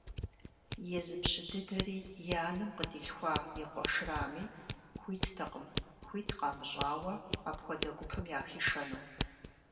Езы пщы дыдэри, и анэм къыдилъхуа и къуэшрами, хуиттэкъым хуит къамыщӏауэ апхуэдэ гупым яхишэну.